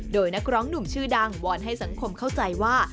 โดยนักร้องหนุ่มชื่อดังวอนให้สังคมเข้าใจว่า